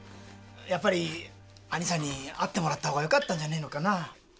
やっぱり兄さんに会ってもらった方がよかったんじゃねえのかな。